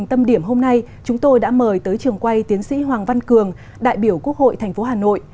tâm điểm hôm nay chúng tôi đã mời tới trường quay tiến sĩ hoàng văn cường đại biểu quốc hội tp hà nội